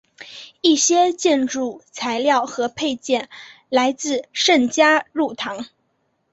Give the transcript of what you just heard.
一些建筑材料和配件来自圣嘉禄堂。